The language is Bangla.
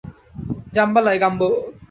জাম্বালায়, গাম্বো।